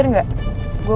tapi aku gak bisa